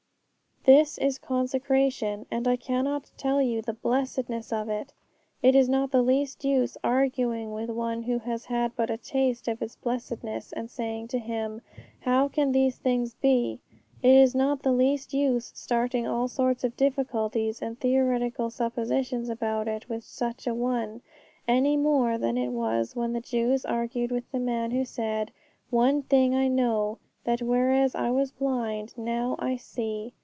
This is consecration, and I cannot tell you the blessedness of it. It is not the least use arguing with one who has had but a taste of its blessedness, and saying to him, 'How can these things be?' It is not the least use starting all sorts of difficulties and theoretical suppositions about it with such a one, any more than it was when the Jews argued with the man who said, 'One thing I know, that whereas I was blind, now I see.'